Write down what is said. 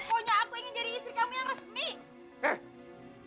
pokoknya aku ingin jadi istri kamu yang resmi